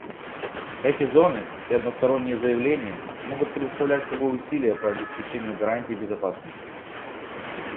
Эти зоны и односторонние заявления могут представлять собой усилия по обеспечению гарантий безопасности.